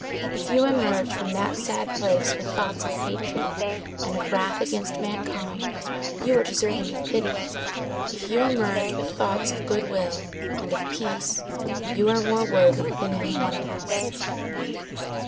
If you emerge from that sad place with thoughts of hatred and of wrath against mankind, you are deserving of pity; if you emerge with thoughts of good will and of peace, you are more worthy than any one of us."